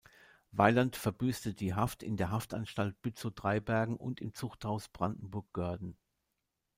Weiland verbüßte die Haft in der Haftanstalt Bützow-Dreibergen und im Zuchthaus Brandenburg-Görden.